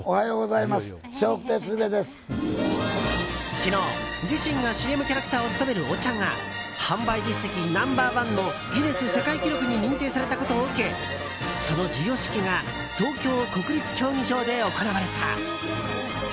昨日、自身がＣＭキャラクターを務めるお茶が販売実績ナンバー１のギネス世界記録に認定されたことを受けその授与式が東京・国立競技場で行われた。